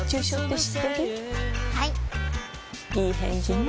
いい返事ね